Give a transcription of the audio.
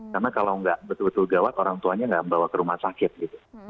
karena kalau nggak betul betul gawat orang tuanya nggak membawa ke rumah sakit gitu